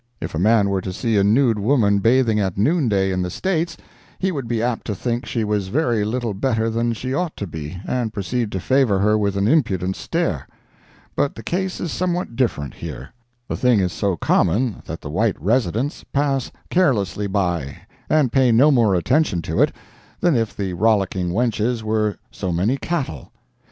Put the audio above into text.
If a man were to see a nude woman bathing at noonday in the States, he would be apt to think she was very little better than she ought to be, and proceed to favor her with an impudent stare. But the case is somewhat different here. The thing is so common that the white residents pass carelessly by, and pay no more attention to it than if the rollicking wenches were so many cattle.